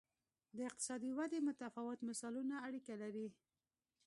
د اقتصادي ودې متفاوت مثالونه اړیکه لري.